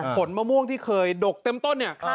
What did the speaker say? ผลมะม่วงที่เคยดกเต็มต้นเนี่ย